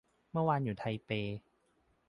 เมื่อวานอยู่ไทเป